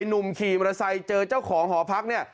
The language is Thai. หนุ่มขี่มอเตอร์ไซค์เจอเจ้าของหอพักเนี่ย